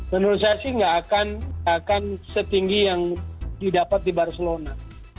menurut saya sih nggak akan setinggi yang didapat di barcelona